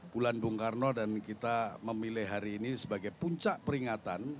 bulan bung karno dan kita memilih hari ini sebagai puncak peringatan